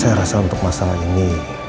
saya rasa untuk masalah ini